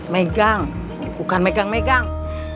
megang bukan megang megang